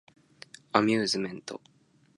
アミューズメント